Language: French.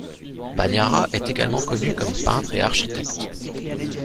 Bagnara est également connu comme peintre et architecte.